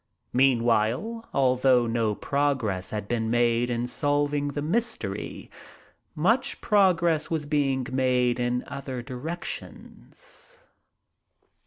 Meanwhile, although no progress had been made in solving the mystery, much progress was being made in other directions.